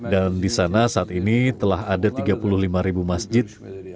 dan di sana saat ini telah ada tiga puluh lima ribu masjid